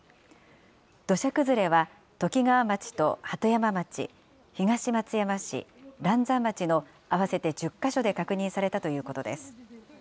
土砂崩れは、ときがわ町と鳩山町、東松山市、嵐山町の合わせて１０か所で確認されたということです。